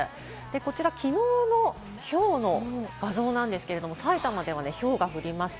こちら昨日のひょうの画像なんですけれども、埼玉ではひょうが降りました。